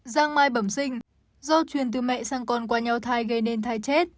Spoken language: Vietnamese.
giang mai bẩm sinh do truyền từ mẹ sang con qua nhau thai gây nên thai chết